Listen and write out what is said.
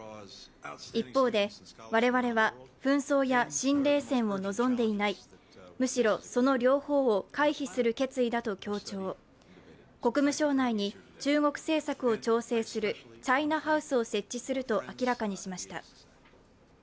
一方で、我々は紛争や新冷戦を望んでいない、むしろ、その両方を回避する決意だと強調、国務省内に中国政策を調整するチャイナ・ハウスを設置すると明らかにしました。